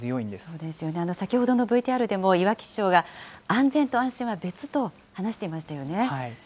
そうですよね、先ほどのＶＴＲでも、いわき市長が、安全と安心は別と話していましたよね。